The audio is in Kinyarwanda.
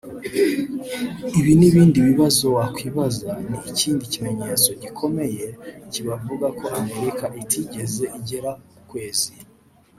Ibi n’ibindi bibazo wakwibaza ni ikindi kimenyetso gikomeye kubavuga ko Amerika itegeze igera kukwezi